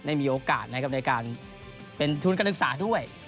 ได้มีโอกาสนะครับในการเป็นทุนการศึกษาด้วย